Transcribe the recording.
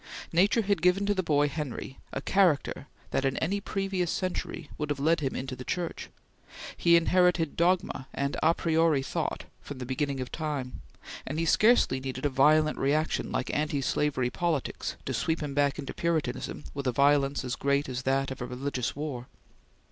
Nature had given to the boy Henry a character that, in any previous century, would have led him into the Church; he inherited dogma and a priori thought from the beginning of time; and he scarcely needed a violent reaction like anti slavery politics to sweep him back into Puritanism with a violence as great as that of a religious war.